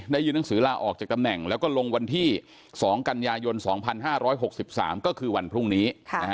ยืนหนังสือลาออกจากตำแหน่งแล้วก็ลงวันที่๒กันยายน๒๕๖๓ก็คือวันพรุ่งนี้